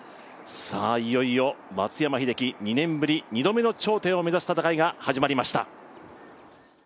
いよいよ松山英樹２年ぶり２度目の頂点を目指す戦いが始まりました。